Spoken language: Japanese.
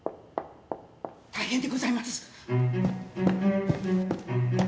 大変でございます。